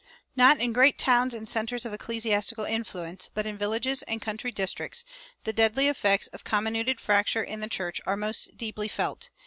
Not in great towns and centers of ecclesiastical influence, but in villages and country districts, the deadly effects of comminuted fracture in the church are most deeply felt.